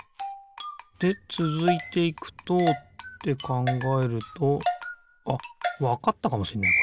でつづいていくとってかんがえるとあっわかったかもしんない